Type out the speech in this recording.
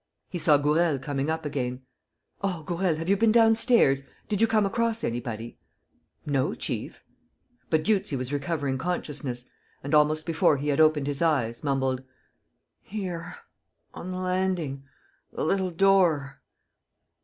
He saw Gourel coming up again: "Oh, Gourel, have you been downstairs? Did you come across anybody?" "No, chief. ..." But Dieuzy was recovering consciousness and, almost before he had opened his eyes, mumbled: "Here, on the landing, the little door.